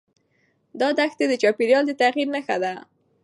دا دښتې د چاپېریال د تغیر نښه ده.